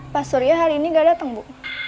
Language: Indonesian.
pak surya hari ini gak datang bu